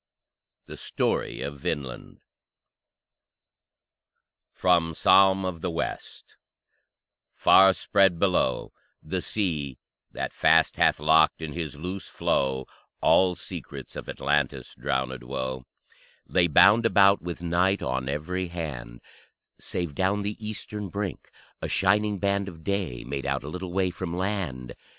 THE STORY OF VINLAND From "Psalm of the West" Far spread, below, The sea that fast hath locked in his loose flow All secrets of Atlantis' drownèd woe Lay bound about with night on every hand, Save down the eastern brink a shining band Of day made out a little way from land.